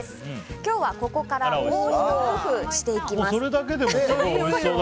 今日はここからもうひと工夫していきます。